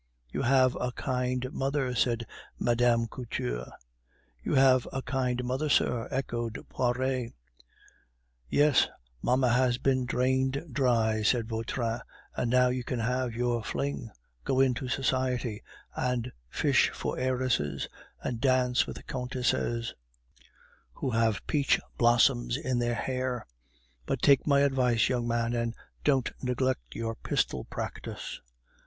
"You have a kind mother," said Mme. Couture. "You have a kind mother, sir," echoed Poiret. "Yes, mamma has been drained dry," said Vautrin, "and now you can have your fling, go into society, and fish for heiresses, and dance with countesses who have peach blossom in their hair. But take my advice, young man, and don't neglect your pistol practice."